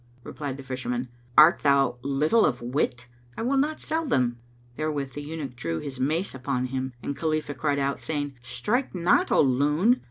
Replied the Fisherman, "Art thou little of wit? I will not sell them." Therewith the eunuch drew his mace upon him, and Khalifah cried out, saying, "Strike not, O loon!